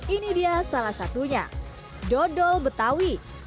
ini dia salah satunya dodol betawi